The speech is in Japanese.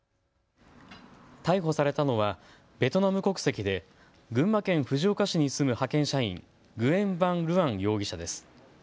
逮捕されたのはベトナム国籍で群馬県藤岡市に住む派遣社員、グエン・ヴァン・ルアン容疑者です。